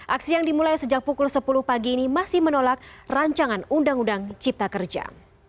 aksi yang dimulai sejak pukul sepuluh pagi ini masih menolak rancangan undang undang cipta kerja